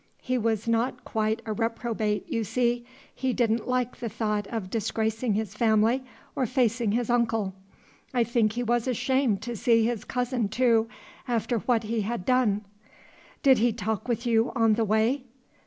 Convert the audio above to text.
He was not quite a reprobate, you see; he didn't like the thought of disgracing his family or facing his uncle. I think he was ashamed to see his cousin, too, after what he had done." "Did he talk with you on the way?"